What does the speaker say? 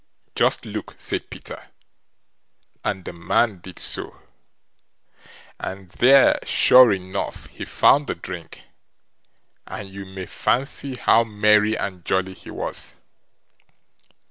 "Just look", said Peter; and the man did so, and there, sure enough, he found the drink, and you may fancy how merry and jolly he was.